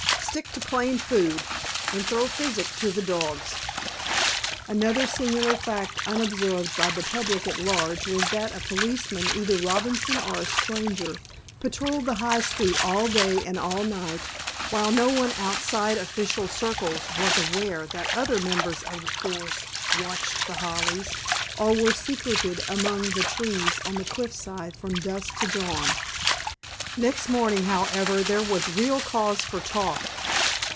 Stick to plain food, and throw physic to the dogs." Another singular fact, unobserved by the public at large, was that a policeman, either Robinson or a stranger, patrolled the high street all day and all night, while no one outside official circles was aware that other members of the force watched The Hollies, or were secreted among the trees on the cliffside, from dusk to dawn. Next morning, however, there was real cause for talk.